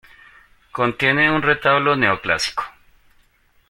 Contiene un retablo neoclásico.